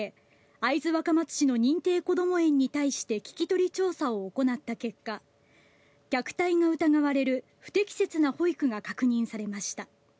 会津若松市の認定こども園に対して聞き取り調査を行った結果虐待が疑われる不適切な保育が確認されました。